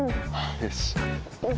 よし。